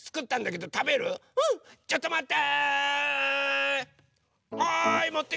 ちょっとまって。